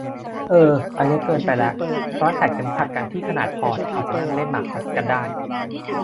เอ่อ อันนี้เกินไปละ ร้านขายเข็มขัดกันที่ขนาดพอที่เขาจะนั่งเล่นหมากฮอสกันได้